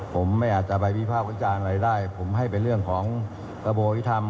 ผมไม่อาจจะไปวิภาควิจารณ์อะไรได้ผมให้เป็นเรื่องของกระบววิธรรม